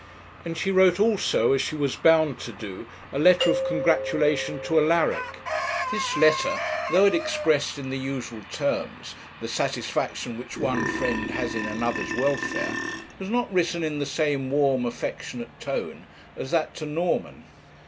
And she wrote also, as she was bound to do, a letter of congratulation to Alaric. This letter, though it expressed in the usual terms the satisfaction which one friend has in another's welfare, was not written in the same warm affectionate tone as that to Norman.